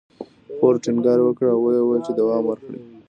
فورډ ټينګار وکړ او ويې ويل چې دوام ورکړئ.